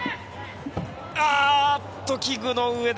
あっと、器具の上で。